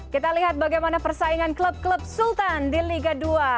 kita lihat bagaimana persaingan klub klub sultan di liga dua